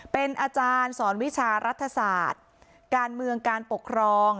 เป็นอาจารย์สอนวิชารัฐศาสตร์การเมืองการปกครอง